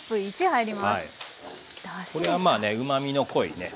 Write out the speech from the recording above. これはうまみの濃いね